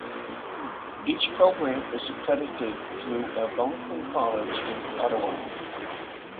Each program is accredited through Algonquin College in Ottawa.